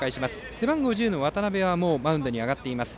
背番号１０、渡邉はもうマウンドに上がっています。